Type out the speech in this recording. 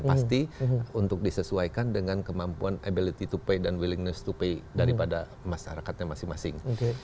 pasti untuk disesuaikan dengan kemampuan ability to pay dan willingness to pay daripada masyarakatnya masing masing